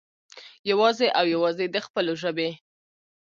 يوازې او يوازې د خپلو ژبې